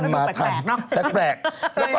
พอได้ย็ดข้างหน้าดูไม่แป็ดแปลก